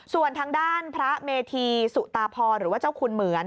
ส่วนทางด้านพระเมธีสุตาพรหรือว่าเจ้าคุณเหมือน